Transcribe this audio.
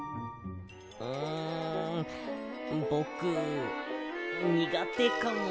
うんぼくにがてかも。